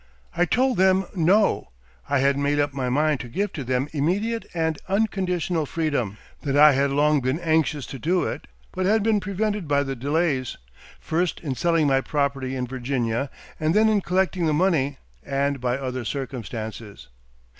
"I told them, no. I had made up my mind to give to them immediate and unconditional freedom; that I had long been anxious to do it, but had been prevented by the delays, first in selling my property in Virginia, and then in collecting the money, and by other circumstances.